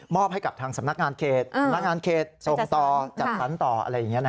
มอบให้กับทางสำนักงานเขตส่งต่อจัดสรรค์ต่ออะไรอย่างนี้นะครับ